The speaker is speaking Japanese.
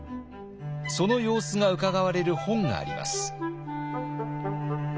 その様子がうかがわれる本があります。